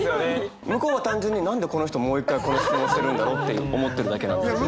向こうは単純に何でこの人はもう一回この質問をしてるんだろうって思ってるだけなんですけど。